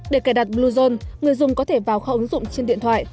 để cài đặt bluezone người dùng có thể vào kho ứng dụng trên điện thoại